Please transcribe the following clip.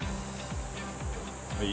はい。